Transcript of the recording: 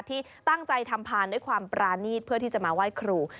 ที่ตั้งใจทำพานด้วยความปรานีตเพื่อที่จะมาไหว้ครู